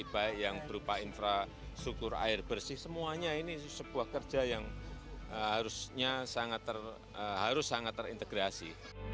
baik yang berupa infrastruktur air bersih semuanya ini sebuah kerja yang harusnya harus sangat terintegrasi